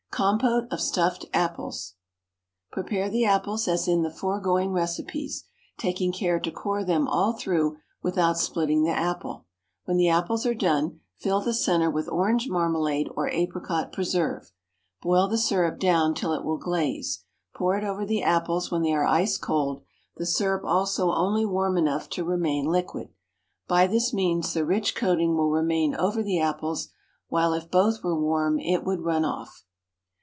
Compote of Stuffed Apples. Prepare the apples as in the foregoing recipes, taking care to core them all through without splitting the apple. When the apples are done, fill the centre with orange marmalade or apricot preserve. Boil the syrup down till it will glaze; pour it over the apples when they are ice cold, the syrup also only warm enough to remain liquid. By this means the rich coating will remain over the apples, while if both were warm it would run off.